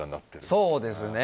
そうですね。